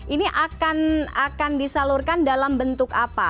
ini akan disalurkan dalam bentuk apa